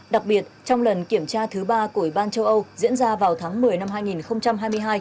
đặc biệt trong lần kiểm tra thứ ba của ủy ban châu âu diễn ra vào tháng một mươi năm hai nghìn hai mươi hai